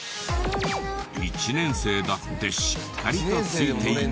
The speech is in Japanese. １年生だってしっかりとついていく。